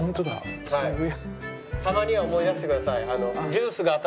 たまには思い出してください。